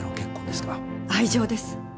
愛情です。